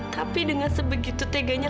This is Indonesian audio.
tapi dengan sebegitu teganya